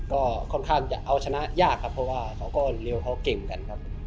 ค่อนข้างจะเอาชนะยากครับ